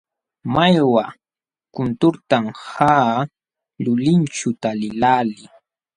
Mallwa kunturtam qaqa lulinćhu taliqlaalii.